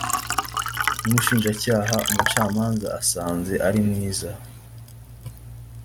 n umushinjacyaha umucamanza asanze ari mwiza